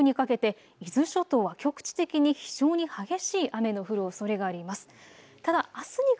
今夜遅くにかけて伊豆諸島は局地的に非常に激しい雨の降るおそれがあります。